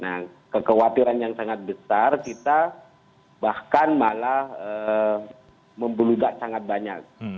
nah kekhawatiran yang sangat besar kita bahkan malah membeludak sangat banyak